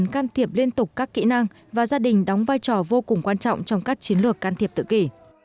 can thiệp liên tục các kỹ năng và gia đình đóng vai trò vô cùng quan trọng trong các chiến lược can thiệp tự kỷ